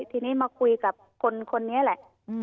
ทีนี้มาคุยกับคนนี้แหละ